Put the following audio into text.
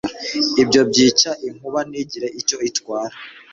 Ibyo byica inkuba ntigire icyo itwara